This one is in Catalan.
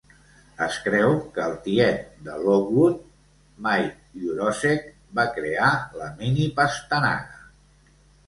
Es creu que el tiet de Lockwood, Mike Yurosek, va crear la mini-pastanaga.